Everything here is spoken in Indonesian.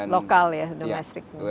lokal ya domestiknya